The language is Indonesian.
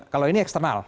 kalau ini eksternal